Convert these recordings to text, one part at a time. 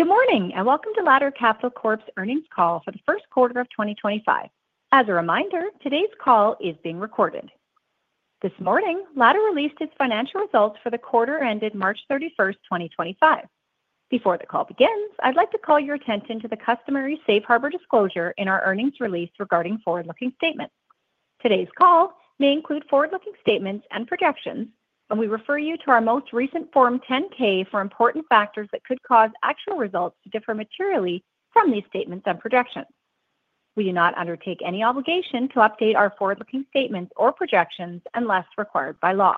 Good morning and welcome to Ladder Capital Corp's earnings call for the first quarter of 2025. As a reminder, today's call is being recorded. This morning, Ladder released its financial results for the quarter ended March 31, 2025. Before the call begins, I'd like to call your attention to the customary safe harbor disclosure in our earnings release regarding forward-looking statements. Today's call may include forward-looking statements and projections, and we refer you to our most recent Form 10-K for important factors that could cause actual results to differ materially from these statements and projections. We do not undertake any obligation to update our forward-looking statements or projections unless required by law.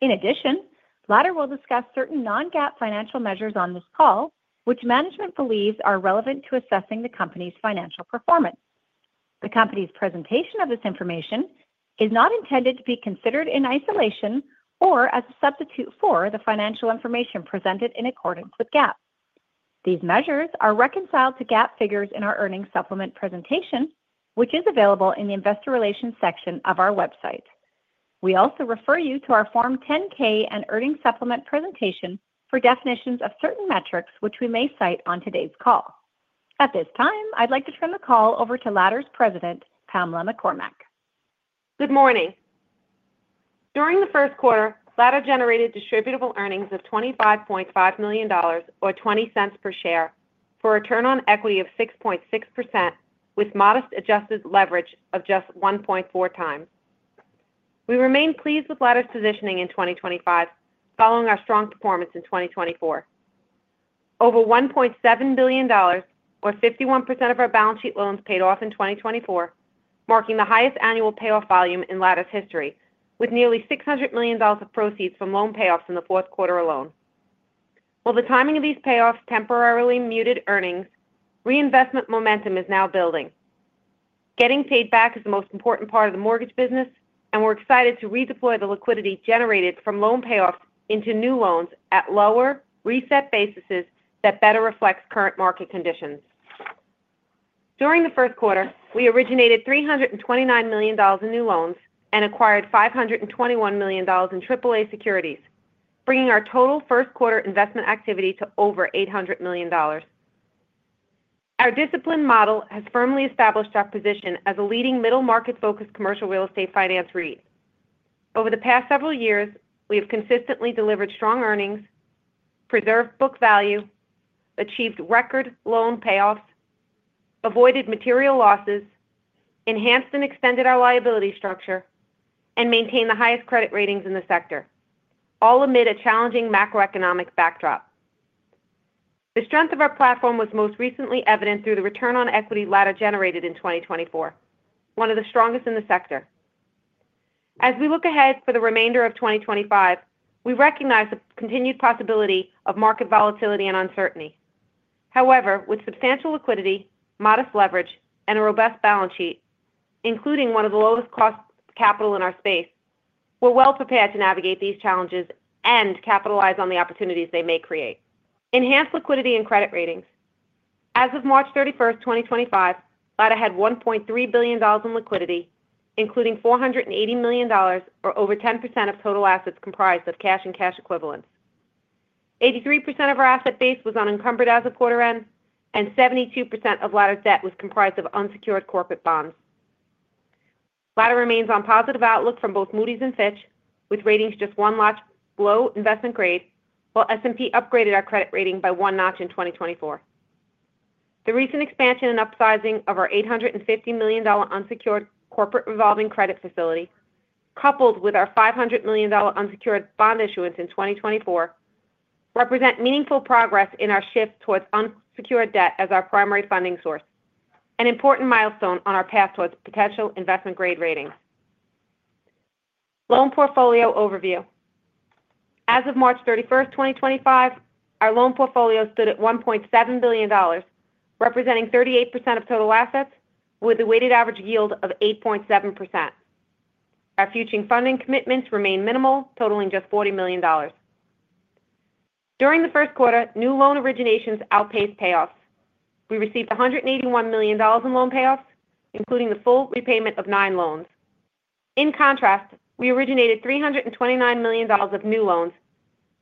In addition, Ladder will discuss certain non-GAAP financial measures on this call, which management believes are relevant to assessing the company's financial performance. The company's presentation of this information is not intended to be considered in isolation or as a substitute for the financial information presented in accordance with GAAP. These measures are reconciled to GAAP figures in our earnings supplement presentation, which is available in the Investor Relations section of our website. We also refer you to our Form 10-K and earnings supplement presentation for definitions of certain metrics, which we may cite on today's call. At this time, I'd like to turn the call over to Ladder's President, Pamela McCormack. Good morning. During the first quarter, Ladder generated distributable earnings of $25.5 million or $0.20 per share for a return on equity of 6.6% with modest adjusted leverage of just 1.4 times. We remain pleased with Ladder's positioning in 2025 following our strong performance in 2024. Over $1.7 billion, or 51% of our balance sheet loans, paid off in 2024, marking the highest annual payoff volume in Ladder's history, with nearly $600 million of proceeds from loan payoffs in the fourth quarter alone. While the timing of these payoffs temporarily muted earnings, reinvestment momentum is now building. Getting paid back is the most important part of the mortgage business, and we're excited to redeploy the liquidity generated from loan payoffs into new loans at lower reset bases that better reflect current market conditions. During the first quarter, we originated $329 million in new loans and acquired $521 million in AAA securities, bringing our total first quarter investment activity to over $800 million. Our discipline model has firmly established our position as a leading middle-market-focused commercial real estate finance REIT. Over the past several years, we have consistently delivered strong earnings, preserved book value, achieved record loan payoffs, avoided material losses, enhanced and extended our liability structure, and maintained the highest credit ratings in the sector, all amid a challenging macroeconomic backdrop. The strength of our platform was most recently evident through the return on equity Ladder generated in 2024, one of the strongest in the sector. As we look ahead for the remainder of 2025, we recognize the continued possibility of market volatility and uncertainty. However, with substantial liquidity, modest leverage, and a robust balance sheet, including one of the lowest-cost capital in our space, we're well prepared to navigate these challenges and capitalize on the opportunities they may create. Enhanced liquidity and credit ratings. As of March 31, 2025, Ladder had $1.3 billion in liquidity, including $480 million, or over 10% of total assets comprised of cash and cash equivalents. 83% of our asset base was unencumbered as of quarter end, and 72% of Ladder's debt was comprised of unsecured corporate bonds. Ladder remains on positive outlook from both Moody's and Fitch, with ratings just one notch below investment grade, while S&P upgraded our credit rating by one notch in 2024. The recent expansion and upsizing of our $850 million unsecured corporate revolving credit facility, coupled with our $500 million unsecured bond issuance in 2024, represent meaningful progress in our shift towards unsecured debt as our primary funding source, an important milestone on our path towards potential investment-grade ratings. Loan portfolio overview, as of March 31, 2025, our loan portfolio stood at $1.7 billion, representing 38% of total assets, with a weighted average yield of 8.7%. Our future funding commitments remain minimal, totaling just $40 million. During the first quarter, new loan originations outpaced payoffs. We received $181 million in loan payoffs, including the full repayment of nine loans. In contrast, we originated $329 million of new loans,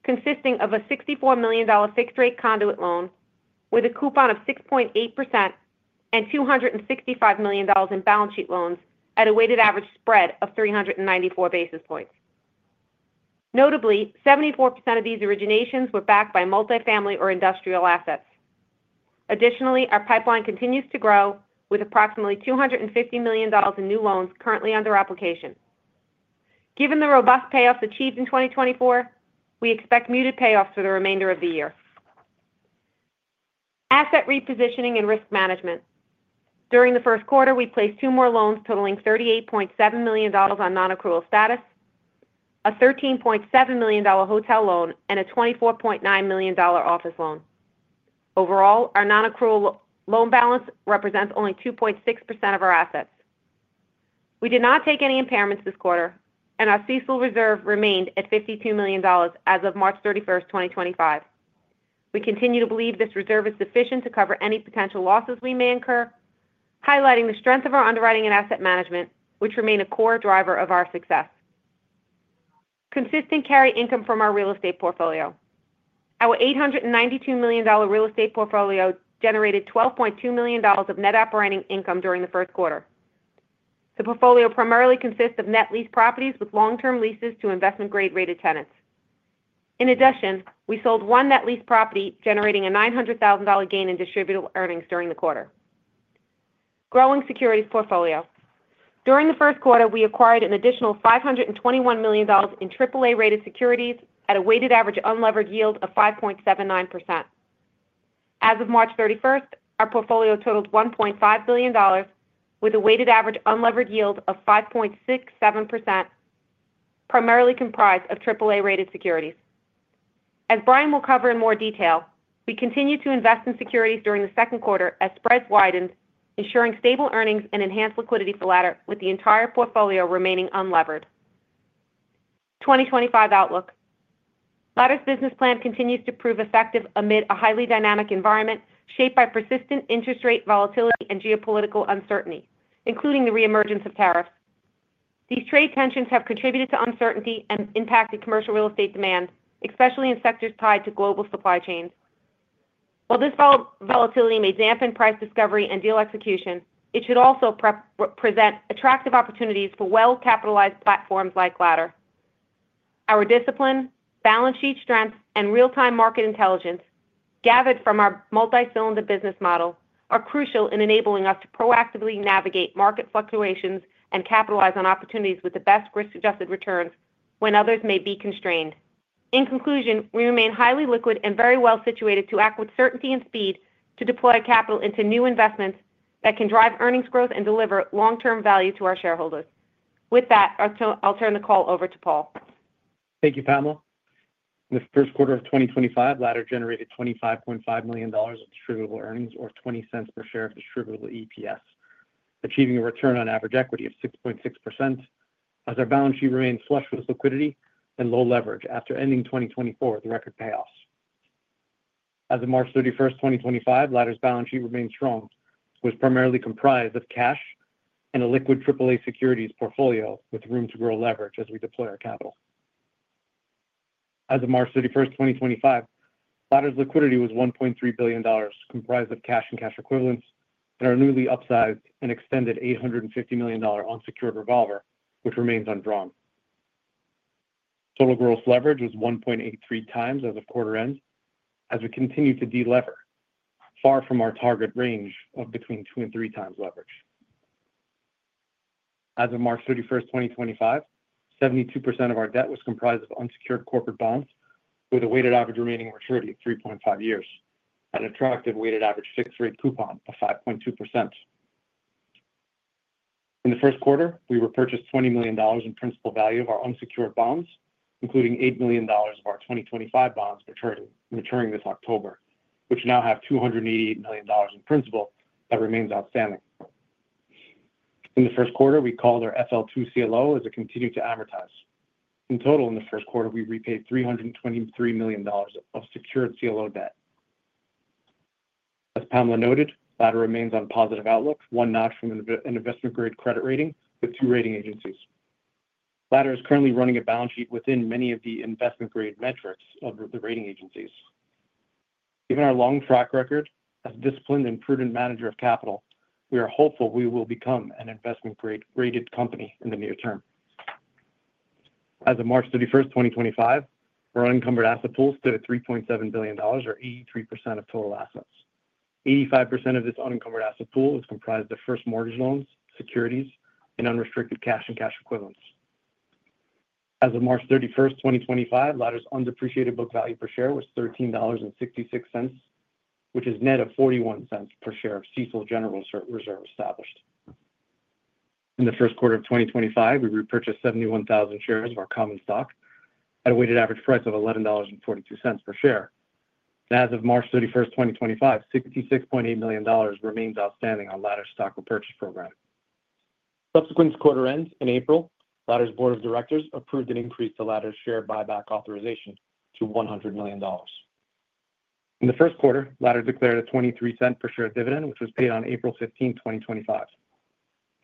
consisting of a $64 million fixed-rate conduit loan with a coupon of 6.8% and $265 million in balance sheet loans at a weighted average spread of 394 basis points. Notably, 74% of these originations were backed by multifamily or industrial assets. Additionally, our pipeline continues to grow, with approximately $250 million in new loans currently under application. Given the robust payoffs achieved in 2024, we expect muted payoffs for the remainder of the year. Asset repositioning and risk management. During the first quarter, we placed two more loans totaling $38.7 million on non-accrual status, a $13.7 million hotel loan, and a $24.9 million office loan. Overall, our non-accrual loan balance represents only 2.6% of our assets. We did not take any impairments this quarter, and our CECL reserve remained at $52 million as of March 31, 2025. We continue to believe this reserve is sufficient to cover any potential losses we may incur, highlighting the strength of our underwriting and asset management, which remain a core driver of our success. Consistent carry income from our real estate portfolio. Our $892 million real estate portfolio generated $12.2 million of net operating income during the first quarter. The portfolio primarily consists of net lease properties with long-term leases to investment-grade rated tenants. In addition, we sold one net lease property, generating a $900,000 gain in distributable earnings during the quarter. Growing securities portfolio. During the first quarter, we acquired an additional $521 million in AAA-rated securities at a weighted average unlevered yield of 5.79%. As of March 31, our portfolio totaled $1.5 billion, with a weighted average unlevered yield of 5.67%, primarily comprised of AAA-rated securities. As Brian will cover in more detail, we continue to invest in securities during the second quarter as spreads widened, ensuring stable earnings and enhanced liquidity for Ladder with the entire portfolio remaining unlevered. 2025 outlook. Ladder's business plan continues to prove effective amid a highly dynamic environment shaped by persistent interest rate volatility and geopolitical uncertainty, including the reemergence of tariffs. These trade tensions have contributed to uncertainty and impacted commercial real estate demand, especially in sectors tied to global supply chains. While this volatility may dampen price discovery and deal execution, it should also present attractive opportunities for well-capitalized platforms like Ladder. Our discipline, balance sheet strength, and real-time market intelligence gathered from our multi-cylinder business model are crucial in enabling us to proactively navigate market fluctuations and capitalize on opportunities with the best risk-adjusted returns when others may be constrained. In conclusion, we remain highly liquid and very well situated to act with certainty and speed to deploy capital into new investments that can drive earnings growth and deliver long-term value to our shareholders. With that, I'll turn the call over to Paul. Thank you, Pamela. In the first quarter of 2025, Ladder generated $25.5 million of distributable earnings, or $0.20 per share of distributable EPS, achieving a return on average equity of 6.6% as our balance sheet remained flush with liquidity and low leverage after ending 2024 with record payoffs. As of March 31, 2025, Ladder's balance sheet remained strong, was primarily comprised of cash and a liquid AAA securities portfolio with room to grow leverage as we deploy our capital. As of March 31, 2025, Ladder's liquidity was $1.3 billion, comprised of cash and cash equivalents, and our newly upsized and extended $850 million unsecured revolver, which remains undrawn. Total gross leverage was 1.83 times as of quarter end as we continue to de-lever, far from our target range of between two and three times leverage. As of March 31, 2025, 72% of our debt was comprised of unsecured corporate bonds with a weighted average remaining maturity of 3.5 years and an attractive weighted average fixed-rate coupon of 5.2%. In the first quarter, we repurchased $20 million in principal value of our unsecured bonds, including $8 million of our 2025 bonds maturing this October, which now have $288 million in principal that remains outstanding. In the first quarter, we called our FL2 CLO as it continued to amortize. In total, in the first quarter, we repaid $323 million of secured CLO debt. As Pamela noted, Ladder remains on positive outlook, one notch from an investment-grade credit rating with two rating agencies. Ladder is currently running a balance sheet within many of the investment-grade metrics of the rating agencies. Given our long track record as a disciplined and prudent manager of capital, we are hopeful we will become an investment-grade rated company in the near term. As of March 31, 2025, our unencumbered asset pool stood at $3.7 billion, or 83% of total assets. 85% of this unencumbered asset pool is comprised of first mortgage loans, securities, and unrestricted cash and cash equivalents. As of March 31, 2025, Ladder's undepreciated book value per share was $13.66, which is net of $0.41 per share of CECL general reserve established. In the first quarter of 2025, we repurchased 71,000 shares of our common stock at a weighted average price of $11.42 per share. As of March 31, 2025, $66.8 million remains outstanding on Ladder's stock repurchase program. Subsequent to quarter end in April, Ladder's board of directors approved an increase to Ladder's share buyback authorization to $100 million. In the first quarter, Ladder declared a $0.23 per share dividend, which was paid on April 15, 2025.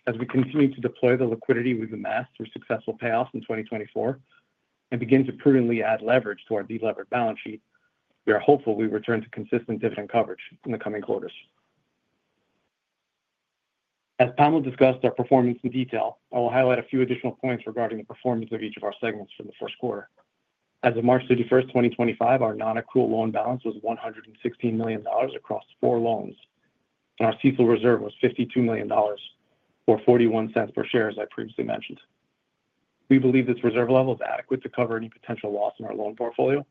As we continue to deploy the liquidity we have amassed through successful payoffs in 2024 and begin to prudently add leverage to our de-levered balance sheet, we are hopeful we return to consistent dividend coverage in the coming quarters. As Pamela discussed our performance in detail, I will highlight a few additional points regarding the performance of each of our segments from the first quarter. As of March 31, 2025, our non-accrual loan balance was $116 million across four loans, and our CECL reserve was $52 million, or $0.41 per share, as I previously mentioned. We believe this reserve level is adequate to cover any potential loss in our loan portfolio,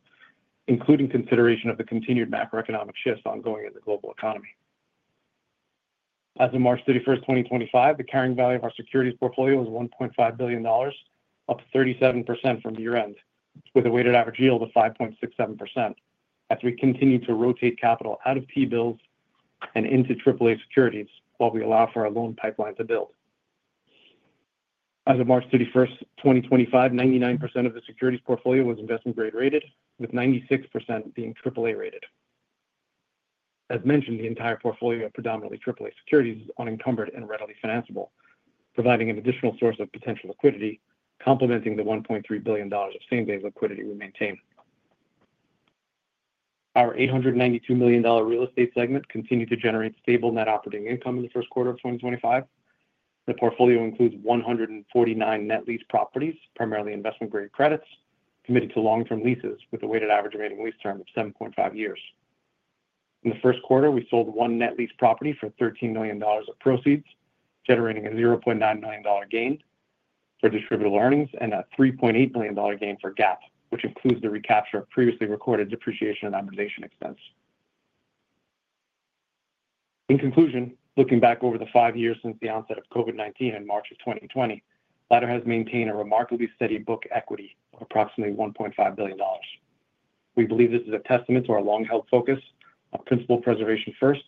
including consideration of the continued macroeconomic shifts ongoing in the global economy. As of March 31, 2025, the carrying value of our securities portfolio is $1.5 billion, up 37% from year-end, with a weighted average yield of 5.67% as we continue to rotate capital out of T-bills and into AAA securities while we allow for our loan pipeline to build. As of March 31, 2025, 99% of the securities portfolio was investment-grade rated, with 96% being AAA rated. As mentioned, the entire portfolio of predominantly AAA securities is unencumbered and readily financeable, providing an additional source of potential liquidity, complementing the $1.3 billion of same-day liquidity we maintain. Our $892 million real estate segment continued to generate stable net operating income in the first quarter of 2025. The portfolio includes 149 net lease properties, primarily investment-grade credits, committed to long-term leases with a weighted average remaining lease term of 7.5 years. In the first quarter, we sold one net lease property for $13 million of proceeds, generating a $0.9 million gain for distributable earnings and a $3.8 million gain for GAAP, which includes the recapture of previously recorded depreciation and amortization expense. In conclusion, looking back over the five years since the onset of COVID-19 in March of 2020, Ladder has maintained a remarkably steady book equity of approximately $1.5 billion. We believe this is a testament to our long-held focus on principal preservation first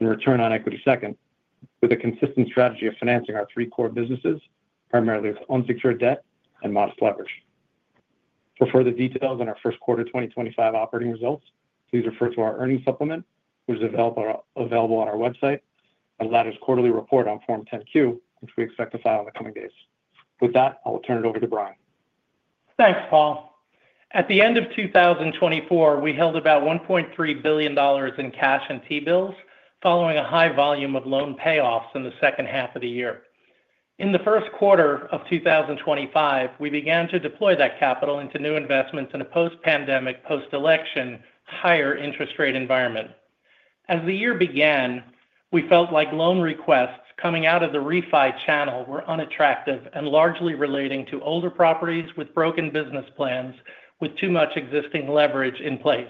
and return on equity second, with a consistent strategy of financing our three core businesses, primarily with unsecured debt and modest leverage. For further details on our first quarter 2025 operating results, please refer to our earnings supplement, which is available on our website and Ladder's quarterly report on Form 10-Q, which we expect to file in the coming days. With that, I will turn it over to Brian. Thanks, Paul. At the end of 2024, we held about $1.3 billion in cash and T-bills following a high volume of loan payoffs in the second half of the year. In the first quarter of 2025, we began to deploy that capital into new investments in a post-pandemic, post-election, higher interest rate environment. As the year began, we felt like loan requests coming out of the refi channel were unattractive and largely relating to older properties with broken business plans with too much existing leverage in place.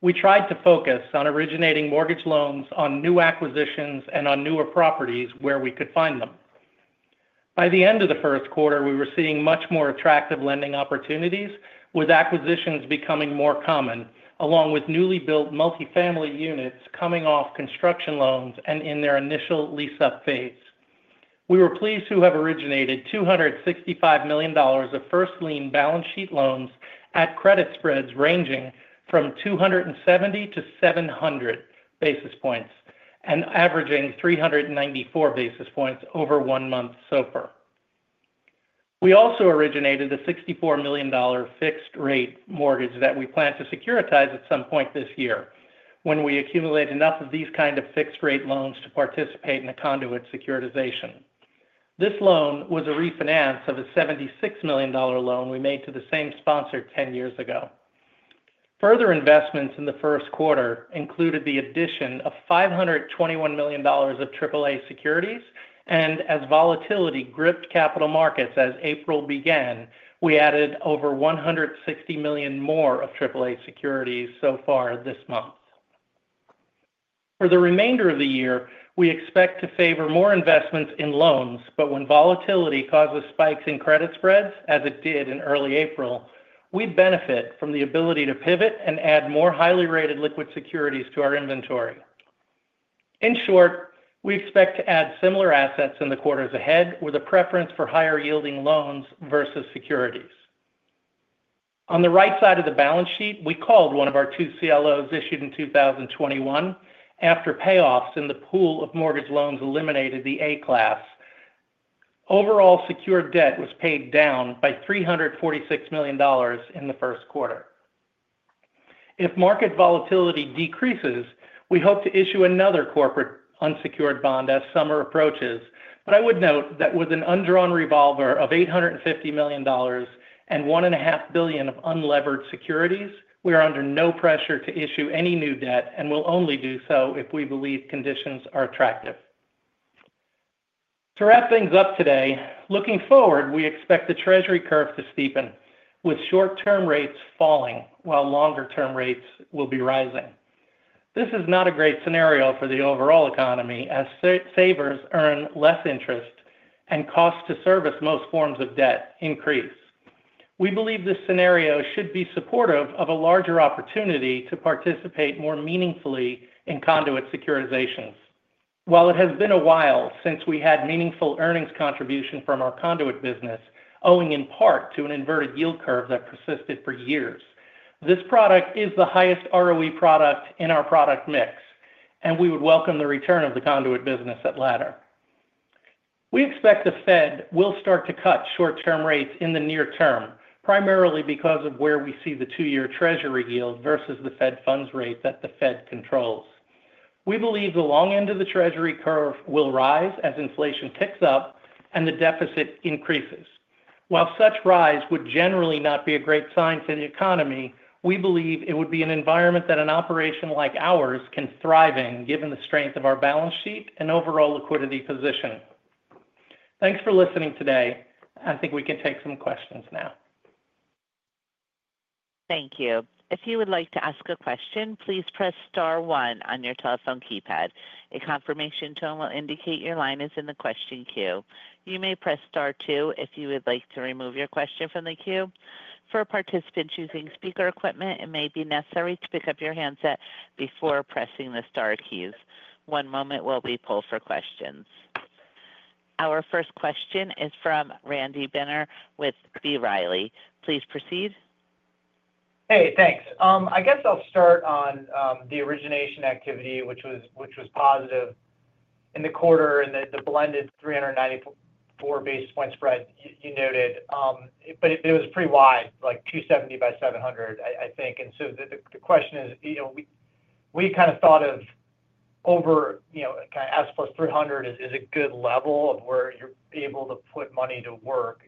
We tried to focus on originating mortgage loans on new acquisitions and on newer properties where we could find them. By the end of the first quarter, we were seeing much more attractive lending opportunities, with acquisitions becoming more common, along with newly built multifamily units coming off construction loans and in their initial lease-up phase. We were pleased to have originated $265 million of first lien balance sheet loans at credit spreads ranging from 270-700 basis points and averaging 394 basis points over one month SOFR. We also originated a $64 million fixed-rate mortgage that we plan to securitize at some point this year when we accumulate enough of these kinds of fixed-rate loans to participate in a conduit securitization. This loan was a refinance of a $76 million loan we made to the same sponsor 10 years ago. Further investments in the first quarter included the addition of $521 million of AAA securities, and as volatility gripped capital markets as April began, we added over $160 million more of AAA securities so far this month. For the remainder of the year, we expect to favor more investments in loans, but when volatility causes spikes in credit spreads, as it did in early April, we'd benefit from the ability to pivot and add more highly rated liquid securities to our inventory. In short, we expect to add similar assets in the quarters ahead with a preference for higher-yielding loans versus securities. On the right side of the balance sheet, we called one of our two CLOs issued in 2021 after payoffs in the pool of mortgage loans eliminated the A-class. Overall secured debt was paid down by $346 million in the first quarter. If market volatility decreases, we hope to issue another corporate unsecured bond as summer approaches, but I would note that with an undrawn revolver of $850 million and $1.5 billion of unlevered securities, we are under no pressure to issue any new debt and will only do so if we believe conditions are attractive. To wrap things up today, looking forward, we expect the Treasury curve to steepen, with short-term rates falling while longer-term rates will be rising. This is not a great scenario for the overall economy as savers earn less interest and costs to service most forms of debt increase. We believe this scenario should be supportive of a larger opportunity to participate more meaningfully in conduit securitizations. While it has been a while since we had meaningful earnings contribution from our conduit business, owing in part to an inverted yield curve that persisted for years, this product is the highest ROE product in our product mix, and we would welcome the return of the conduit business at Ladder. We expect the Fed will start to cut short-term rates in the near term, primarily because of where we see the two-year Treasury yield versus the Fed funds rate that the Fed controls. We believe the long end of the Treasury curve will rise as inflation ticks up and the deficit increases. While such rise would generally not be a great sign for the economy, we believe it would be an environment that an operation like ours can thrive in given the strength of our balance sheet and overall liquidity position. Thanks for listening today. I think we can take some questions now. Thank you. If you would like to ask a question, please press star one on your telephone keypad. A confirmation tone will indicate your line is in the question queue. You may press star two if you would like to remove your question from the queue. For participants using speaker equipment, it may be necessary to pick up your handset before pressing the star keys. One moment while we pull for questions. Our first question is from Randy Binner with B. Riley. Please proceed. Hey, thanks. I guess I'll start on the origination activity, which was positive in the quarter and the blended 394 basis point spread you noted, but it was pretty wide, like 270-700, I think. The question is, we kind of thought of over kind of as plus 300 as a good level of where you're able to put money to work.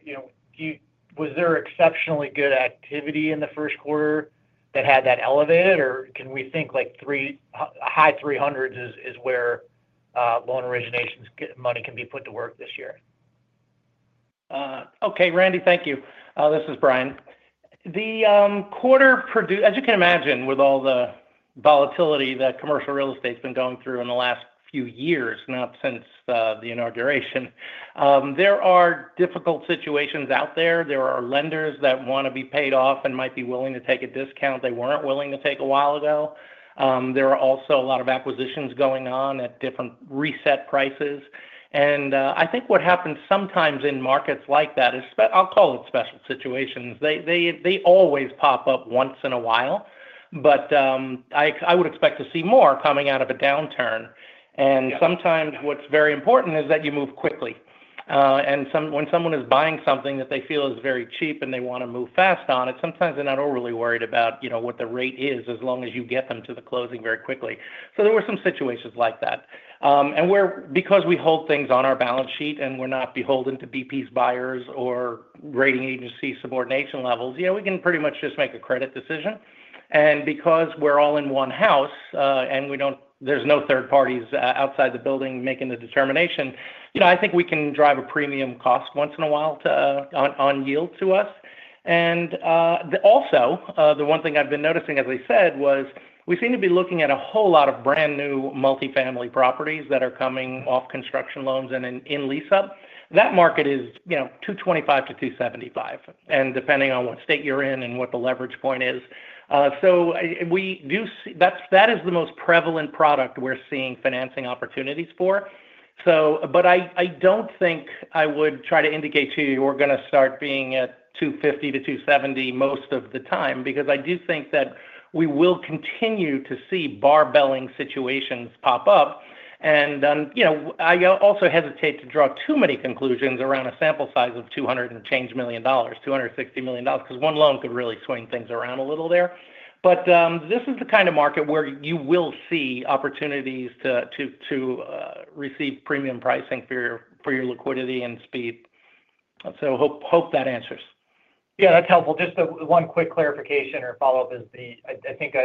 Was there exceptionally good activity in the first quarter that had that elevated, or can we think like high 300s is where loan origination money can be put to work this year? Okay, Randy, thank you. This is Brian. The quarter, as you can imagine, with all the volatility that commercial real estate has been going through in the last few years, not since the inauguration, there are difficult situations out there. There are lenders that want to be paid off and might be willing to take a discount they were not willing to take a while ago. There are also a lot of acquisitions going on at different reset prices. I think what happens sometimes in markets like that, I'll call it special situations, they always pop up once in a while. I would expect to see more coming out of a downturn. Sometimes what is very important is that you move quickly. When someone is buying something that they feel is very cheap and they want to move fast on it, sometimes they're not overly worried about what the rate is as long as you get them to the closing very quickly. There were some situations like that. Because we hold things on our balance sheet and we're not beholden to B-piece buyers or rating agency subordination levels, we can pretty much just make a credit decision. Because we're all in one house and there's no third parties outside the building making the determination, I think we can drive a premium cost once in a while on yield to us. Also, the one thing I've been noticing, as I said, was we seem to be looking at a whole lot of brand new multifamily properties that are coming off construction loans and in lease-up. That market is 225-275, and depending on what state you're in and what the leverage point is. That is the most prevalent product we're seeing financing opportunities for. I do not think I would try to indicate to you we're going to start being at 250-270 most of the time, because I do think that we will continue to see barbelling situations pop up. I also hesitate to draw too many conclusions around a sample size of 200 and change million dollars, $260 million, because one loan could really swing things around a little there. This is the kind of market where you will see opportunities to receive premium pricing for your liquidity and speed. Hope that answers. Yeah, that's helpful. Just one quick clarification or follow-up is, I think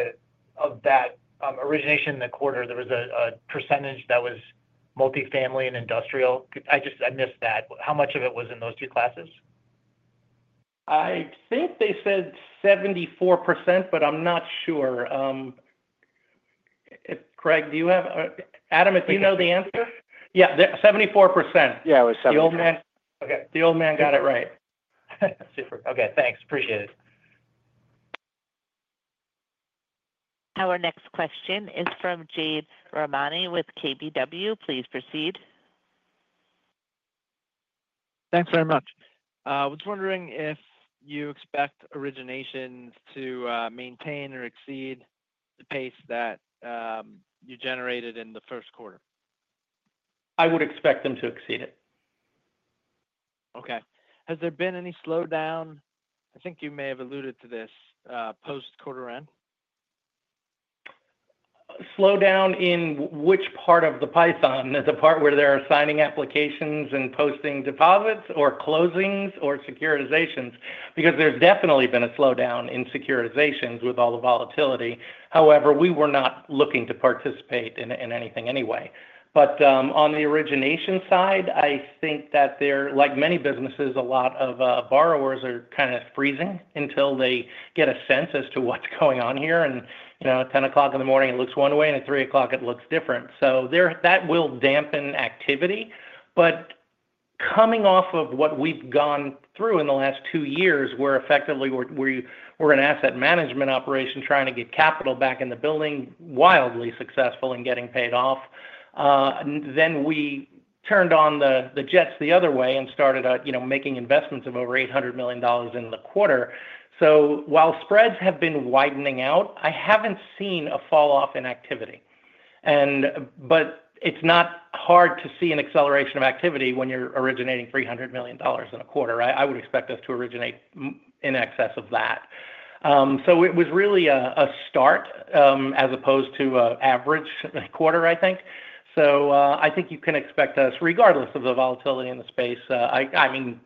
of that origination in the quarter, there was a percentage that was multifamily and industrial. I missed that. How much of it was in those two classes? I think they said 74%, but I'm not sure. Craig, do you have? Adam If you know the answer? Yeah, 74%. Yeah, it was 74%. The old man got it right. Okay, thanks. Appreciate it. Our next question is from Jade Rahmani with KBW. Please proceed. Thanks very much. I was wondering if you expect originations to maintain or exceed the pace that you generated in the first quarter? I would expect them to exceed it. Okay. Has there been any slowdown? I think you may have alluded to this post-quarter end. Slowdown in which part of the pipeline? The part where they're assigning applications and posting deposits or closings or securitizations? There has definitely been a slowdown in securitizations with all the volatility. However, we were not looking to participate in anything anyway. On the origination side, I think that there, like many businesses, a lot of borrowers are kind of freezing until they get a sense as to what's going on here. At 10:00 A.M., it looks one way, and at 3:00 P.M., it looks different. That will dampen activity. Coming off of what we've gone through in the last two years, where effectively we're an asset management operation trying to get capital back in the building, wildly successful in getting paid off, then we turned on the jets the other way and started making investments of over $800 million in the quarter. While spreads have been widening out, I haven't seen a falloff in activity. It's not hard to see an acceleration of activity when you're originating $300 million in a quarter. I would expect us to originate in excess of that. It was really a start as opposed to an average quarter, I think. I think you can expect us, regardless of the volatility in the space, I mean,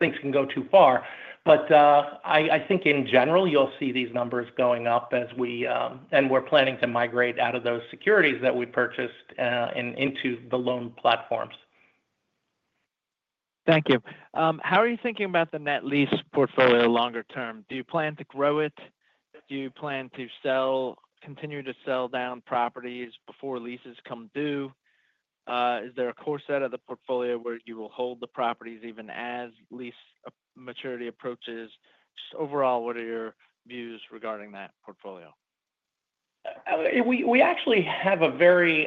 things can go too far. I think in general, you'll see these numbers going up as we and we're planning to migrate out of those securities that we purchased into the loan platforms. Thank you. How are you thinking about the net lease portfolio longer term? Do you plan to grow it? Do you plan to continue to sell down properties before leases come due? Is there a core set of the portfolio where you will hold the properties even as lease maturity approaches? Just overall, what are your views regarding that portfolio? We actually have a very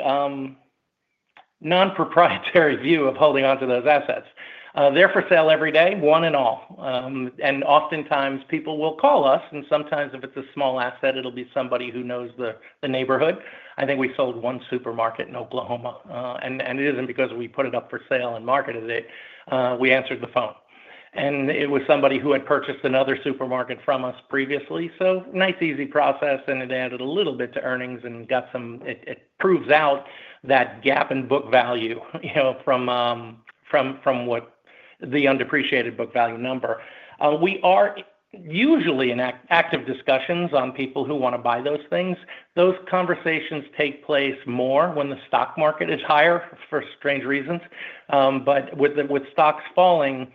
non-proprietary view of holding on to those assets. They're for sale every day, one and all. Oftentimes, people will call us, and sometimes if it's a small asset, it'll be somebody who knows the neighborhood. I think we sold one supermarket in Oklahoma, and it isn't because we put it up for sale and marketed it. We answered the phone. It was somebody who had purchased another supermarket from us previously. Nice, easy process, and it added a little bit to earnings and got some—it proves out that gap in book value from what the undepreciated book value number. We are usually in active discussions on people who want to buy those things. Those conversations take place more when the stock market is higher for strange reasons. With stocks falling,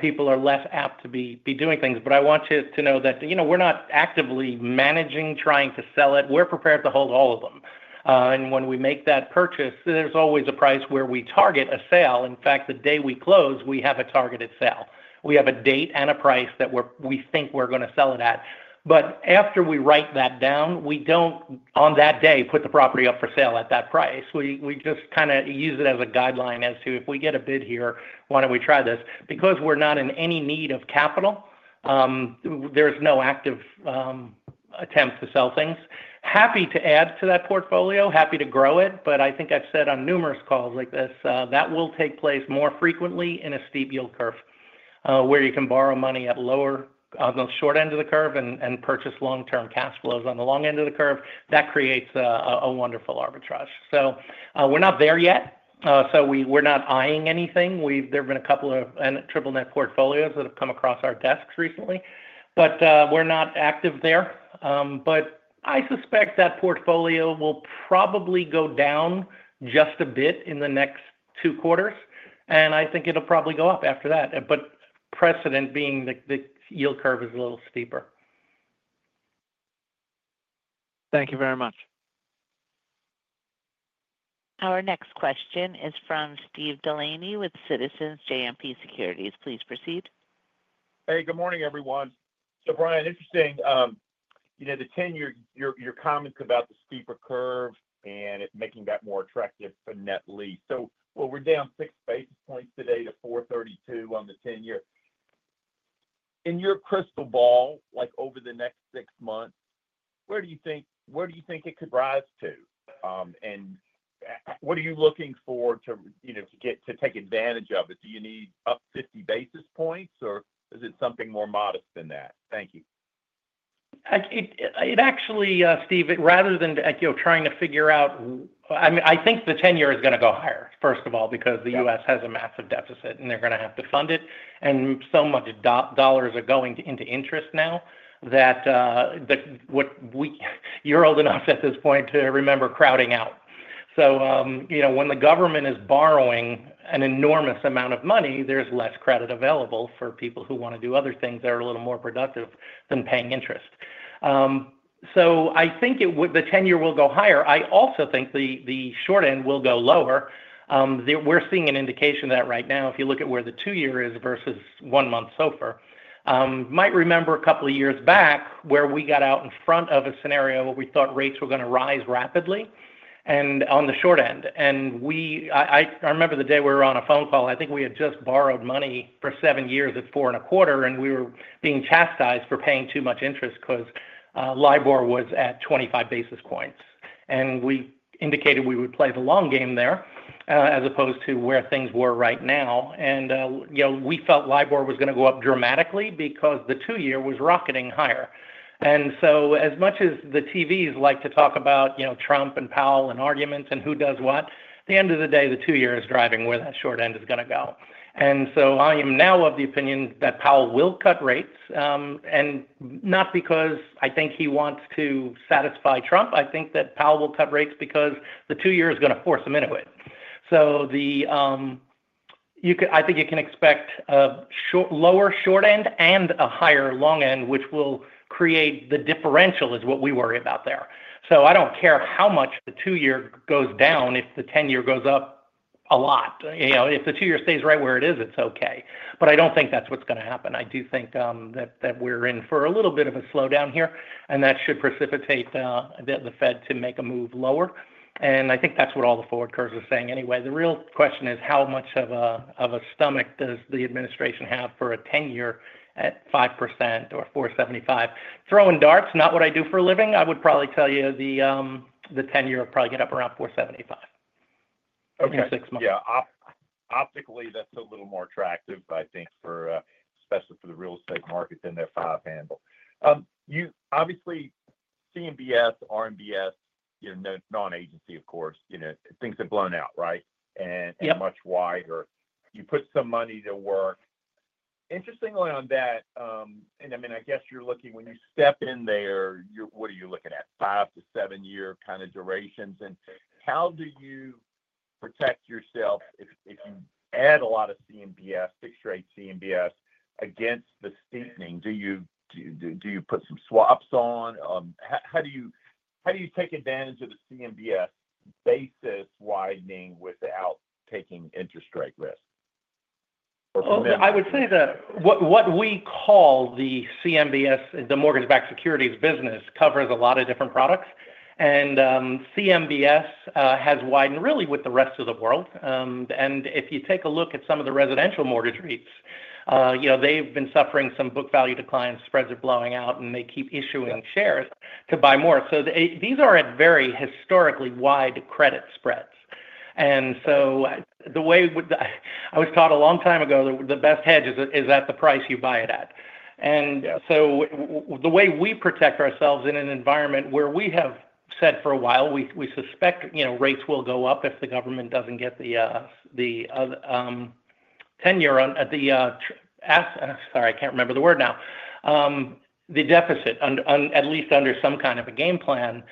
people are less apt to be doing things. I want you to know that we're not actively managing, trying to sell it. We're prepared to hold all of them. When we make that purchase, there's always a price where we target a sale. In fact, the day we close, we have a targeted sale. We have a date and a price that we think we're going to sell it at. After we write that down, we don't, on that day, put the property up for sale at that price. We just kind of use it as a guideline as to if we get a bid here, why don't we try this? Because we're not in any need of capital, there's no active attempt to sell things. Happy to add to that portfolio, happy to grow it, but I think I've said on numerous calls like this, that will take place more frequently in a steep yield curve where you can borrow money on the short end of the curve and purchase long-term cash flows on the long end of the curve. That creates a wonderful arbitrage. We're not there yet. We're not eyeing anything. There have been a couple of triple-net portfolios that have come across our desks recently, but we're not active there. I suspect that portfolio will probably go down just a bit in the next two quarters, and I think it'll probably go up after that, precedent being that the yield curve is a little steeper. Thank you very much. Our next question is from Steve Delaney with Citizens JMP Securities. Please proceed. Hey, good morning, everyone. Brian, interesting. You know, to tend your comments about the steeper curve and it making that more attractive for net lease. We are down six basis points today to 432 on the ten-year. In your crystal ball, like over the next six months, where do you think it could rise to? What are you looking for to take advantage of it? Do you need up 50 basis points, or is it something more modest than that? Thank you. It actually, Steve, rather than trying to figure out, I think the ten-year is going to go higher, first of all, because the U.S. has a massive deficit and they're going to have to fund it. So much dollars are going into interest now that you're old enough at this point to remember crowding out. When the government is borrowing an enormous amount of money, there's less credit available for people who want to do other things that are a little more productive than paying interest. I think the ten-year will go higher. I also think the short end will go lower. We're seeing an indication of that right now if you look at where the two-year is versus one-month SOFR. You might remember a couple of years back where we got out in front of a scenario where we thought rates were going to rise rapidly on the short end. I remember the day we were on a phone call, I think we had just borrowed money for seven years at 4.25%, and we were being chastised for paying too much interest because Libor was at 25 basis points. We indicated we would play the long game there as opposed to where things were right now. We felt Libor was going to go up dramatically because the two-year was rocketing higher. As much as the TVs like to talk about Trump and Powell and arguments and who does what, at the end of the day, the two-year is driving where that short end is going to go. I am now of the opinion that Powell will cut rates, and not because I think he wants to satisfy Trump. I think that Powell will cut rates because the two-year is going to force him into it. I think you can expect a lower short end and a higher long end, which will create the differential is what we worry about there. I do not care how much the two-year goes down if the ten-year goes up a lot. If the two-year stays right where it is, it is okay. I do not think that is what is going to happen. I do think that we are in for a little bit of a slowdown here, and that should precipitate the Fed to make a move lower. I think that is what all the forward curves are saying anyway. The real question is how much of a stomach does the administration have for a ten-year at 5% or 4.75%? Throwing darts is not what I do for a living. I would probably tell you the ten-year will probably get up around 4.75% in six months. Yeah, optically, that's a little more attractive, I think, especially for the real estate market than their five handle. Obviously, CMBS, RMBS, non-agency, of course, things have blown out, right? And much wider. You put some money to work. Interestingly on that, and I mean, I guess you're looking when you step in there, what are you looking at? Five to seven-year kind of durations? And how do you protect yourself if you add a lot of CMBS, fixed-rate CMBS against the steepening? Do you put some swaps on? How do you take advantage of the CMBS basis widening without taking interest rate risk? I would say that what we call the CMBS, the mortgage-backed securities business, covers a lot of different products. CMBS has widened really with the rest of the world. If you take a look at some of the residential mortgage REITs, they've been suffering some book value declines, spreads are blowing out, and they keep issuing shares to buy more. These are at very historically wide credit spreads. The way I was taught a long time ago, the best hedge is at the price you buy it at. The way we protect ourselves in an environment where we have said for a while, we suspect rates will go up if the government doesn't get the ten-year on the—sorry, I can't remember the word now—the deficit, at least under some kind of a game plan.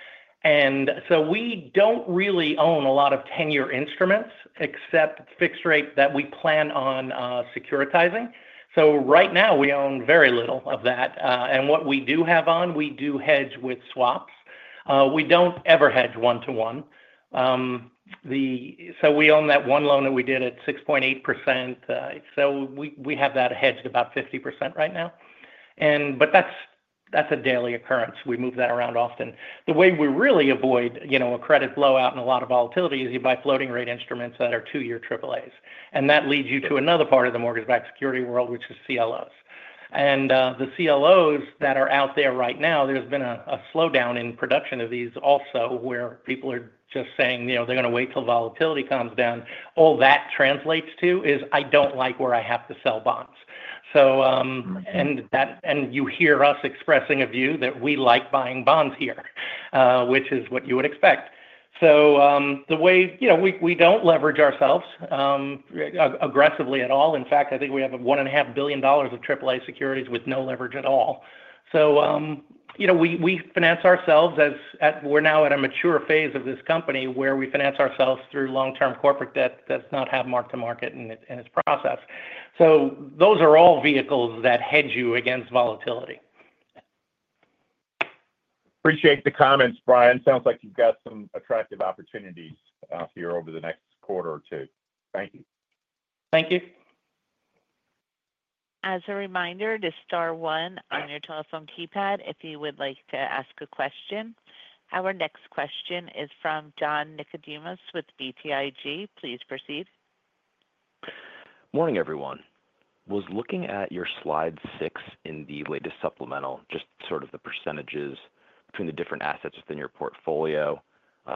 We do not really own a lot of ten-year instruments except fixed-rate that we plan on securitizing. Right now, we own very little of that. What we do have on, we do hedge with swaps. We do not ever hedge one-to-one. We own that one loan that we did at 6.8%. We have that hedged about 50% right now. That is a daily occurrence. We move that around often. The way we really avoid a credit blowout and a lot of volatility is you buy floating-rate instruments that are two-year AAAs. That leads you to another part of the mortgage-backed security world, which is CLOs. The CLOs that are out there right now, there has been a slowdown in production of these also where people are just saying they are going to wait till volatility comes down. All that translates to is, "I don't like where I have to sell bonds." You hear us expressing a view that we like buying bonds here, which is what you would expect. The way we do not leverage ourselves aggressively at all. In fact, I think we have $1.5 billion of AAA securities with no leverage at all. We finance ourselves as we are now at a mature phase of this company where we finance ourselves through long-term corporate debt that does not have mark-to-market in its process. Those are all vehicles that hedge you against volatility. Appreciate the comments, Brian. Sounds like you've got some attractive opportunities here over the next quarter or two. Thank you. Thank you. As a reminder, this is star one on your telephone keypad if you would like to ask a question. Our next question is from John Nickodemus with BTIG. Please proceed. Morning, everyone. I was looking at your slide six in the latest supplemental, just sort of the percentages between the different assets within your portfolio.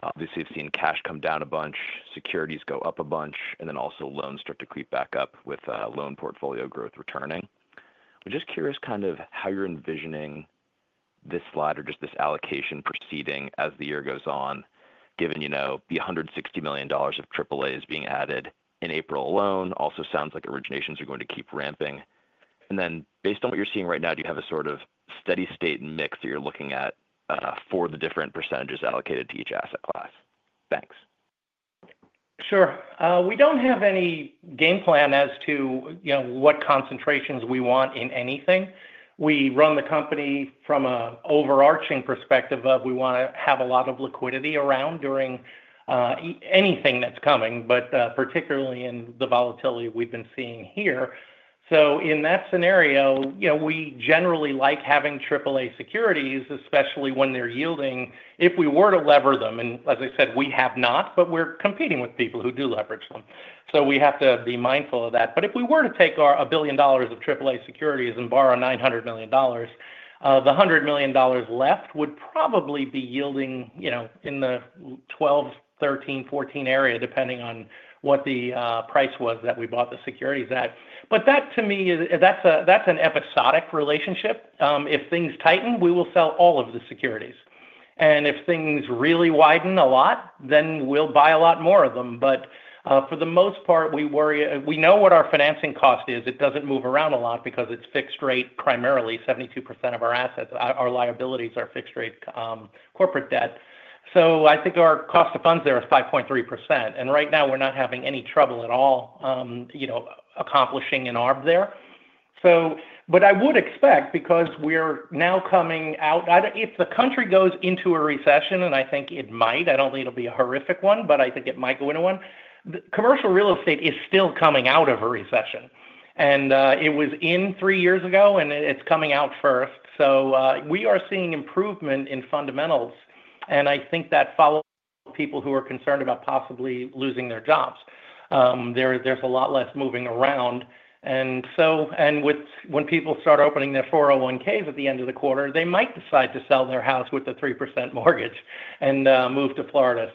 Obviously, we've seen cash come down a bunch, securities go up a bunch, and then also loans start to creep back up with loan portfolio growth returning. I'm just curious kind of how you're envisioning this slide or just this allocation proceeding as the year goes on, given the $160 million of AAAs being added in April alone. Also sounds like originations are going to keep ramping. Based on what you're seeing right now, do you have a sort of steady-state mix that you're looking at for the different percentages allocated to each asset class? Thanks. Sure. We do not have any game plan as to what concentrations we want in anything. We run the company from an overarching perspective of we want to have a lot of liquidity around during anything that is coming, particularly in the volatility we have been seeing here. In that scenario, we generally like having AAA securities, especially when they are yielding. If we were to lever them, and as I said, we have not, we are competing with people who do leverage them. We have to be mindful of that. If we were to take $1 billion of AAA securities and borrow $900 million, the $100 million left would probably be yielding in the 12%, 13%, 14% area, depending on what the price was that we bought the securities at. That, to me, is an episodic relationship. If things tighten, we will sell all of the securities. If things really widen a lot, then we'll buy a lot more of them. For the most part, we know what our financing cost is. It doesn't move around a lot because it's fixed-rate primarily. 72% of our liabilities are fixed-rate corporate debt. I think our cost of funds there is 5.3%. Right now, we're not having any trouble at all accomplishing an ARB there. I would expect, because we're now coming out, if the country goes into a recession, and I think it might, I don't think it'll be a horrific one, but I think it might go into one, commercial real estate is still coming out of a recession. It was in three years ago, and it's coming out first. We are seeing improvement in fundamentals. I think that follows people who are concerned about possibly losing their jobs. There's a lot less moving around. When people start opening their 401(k)s at the end of the quarter, they might decide to sell their house with a 3% mortgage and move to Florida.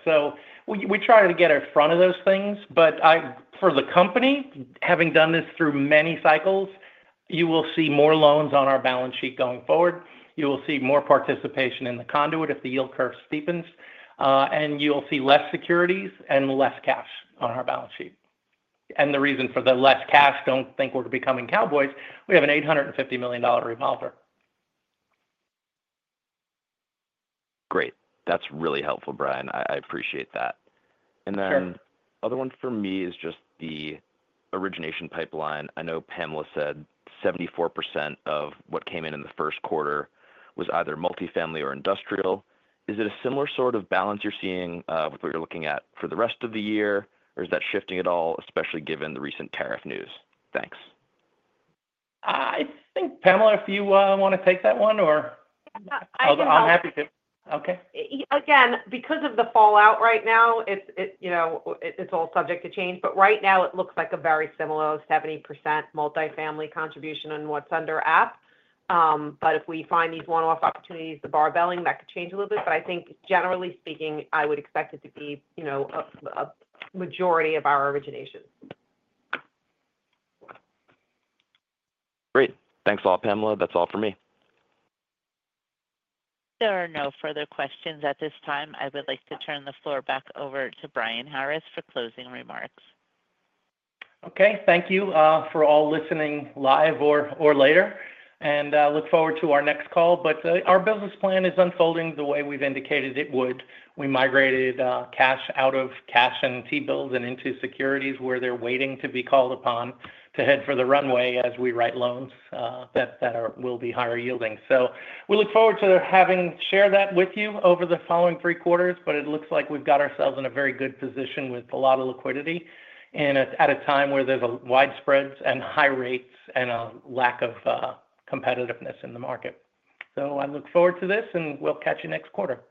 We try to get in front of those things. For the company, having done this through many cycles, you will see more loans on our balance sheet going forward. You will see more participation in the conduit if the yield curve steepens. You'll see less securities and less cash on our balance sheet. The reason for the less cash, don't think we're becoming cowboys. We have an $850 million revolver. Great. That is really helpful, Brian. I appreciate that. The other one for me is just the origination pipeline. I know Pamela said 74% of what came in in the first quarter was either multifamily or industrial. Is it a similar sort of balance you are seeing with what you are looking at for the rest of the year, or is that shifting at all, especially given the recent tariff news? Thanks. I think, Pamela, if you want to take that one, or? Yeah. I think so. I'm happy to. Okay. Again, because of the fallout right now, it's all subject to change. Right now, it looks like a very similar 70% multifamily contribution on what's under app. If we find these one-off opportunities, the barbelling, that could change a little bit. I think, generally speaking, I would expect it to be a majority of our originations. Great. Thanks a lot, Pamela. That's all for me. There are no further questions at this time. I would like to turn the floor back over to Brian Harris for closing remarks. Okay. Thank you for all listening live or later. I look forward to our next call. Our business plan is unfolding the way we've indicated it would. We migrated cash out of cash and T-bills and into securities where they're waiting to be called upon to head for the runway as we write loans that will be higher yielding. I look forward to having shared that with you over the following three quarters. It looks like we've got ourselves in a very good position with a lot of liquidity at a time where there's widespread and high rates and a lack of competitiveness in the market. I look forward to this, and we'll catch you next quarter.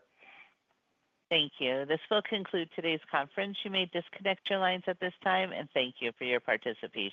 Thank you. This will conclude today's conference. You may disconnect your lines at this time, and thank you for your participation.